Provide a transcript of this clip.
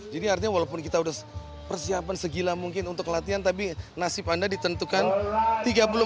jadi artinya walaupun kita sudah persiapan segila mungkin untuk latihan tapi nasib anda ditentukan tiga puluh menit di laut